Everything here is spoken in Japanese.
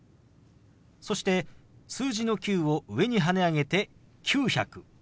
そして数字の「９」を上にはね上げて「９００」。